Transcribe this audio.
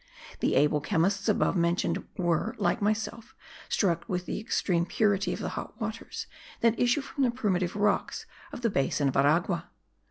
The able chemists above mentioned were, like myself, struck with the extreme purity of the hot waters that issue from the primitive rocks of the basin of Aragua.